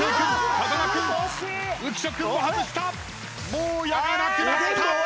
もう矢がなくなった。